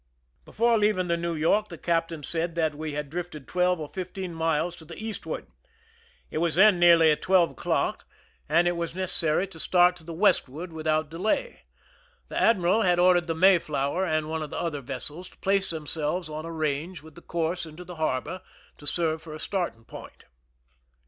Before leaving the New York the captain said that we had drifted twelve or fifteen miles to the east ward. It was then nearly twelve o'clock, and it 53 THE SINKING OF THE "MEREIMAC" was necessary to start to the westward without delay. The admiral had ordered the Mayflower and one of the other vessels to place themselves on a range with the course into the harbor, to serve for a starting point.